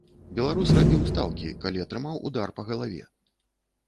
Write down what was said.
Беларус рабіў стаўкі, калі атрымаў удар па галаве.